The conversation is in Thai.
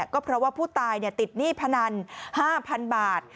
ก็เพราะว่าผู้ตายติดหนี้พนัน๕๐๐๐บาท